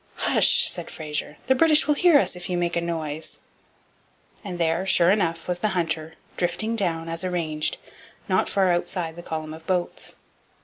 'Hush!' said Fraser, 'the British will hear us if you make a noise.' And there, sure enough, was the Hunter, drifting down, as arranged, not far outside the column of boats.